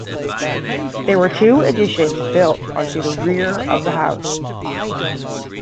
There were two additions built onto the rear of the house.